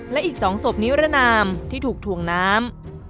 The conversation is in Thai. และอีก๒ศพนิรนามที่ถูกถ่วงน้ำ